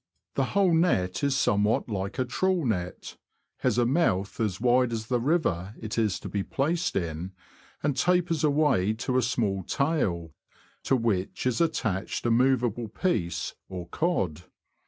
The whole net is somewhat like a trawl net, has a mouth as wide as the river it is to be placed in, and tapers away to a small tail, to which is attached a movable piece, or " cod."